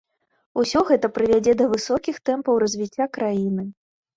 Усё гэта прывядзе да высокіх тэмпаў развіцця краіны.